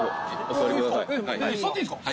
座っていいんすか？